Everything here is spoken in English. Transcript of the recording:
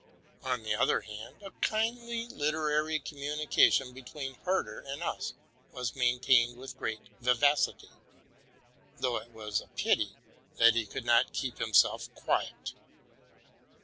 On the other hand, a kindly literary communication be tween Herder and us was maintained with great vivacity ; though it was a pity that he could not keep himself quiet.